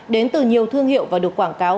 đến từ nhiều thương hiệu và được quảng cáo